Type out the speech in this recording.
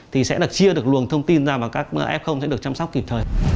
thì sẽ được chia được luồng thông tin ra và các f sẽ được chăm sóc kịp thời